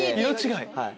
色違い。